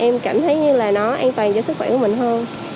tất nhiên là nó an toàn cho sức khỏe của mình hơn